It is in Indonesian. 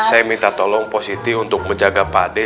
saya minta tolong pak siti untuk menjaga pak de